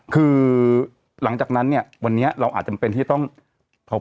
คือหลังจากนั้นเนี่ยวันนี้เราอาจจะจำเป็นที่ต้อง